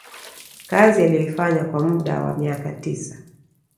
kazi aliyoifanya kwa muda wa miaka tisa